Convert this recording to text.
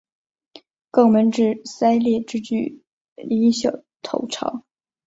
肛门至鳃裂之距离小于头长。